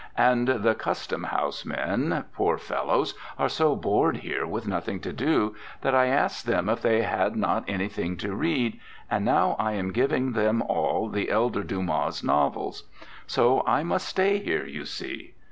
And the Custom house men, poor fellows, are so bored here with nothing to do, that I asked them if they had not anything to read, and now I am giving them all the elder Dumas' novels. So I must stay here, you see.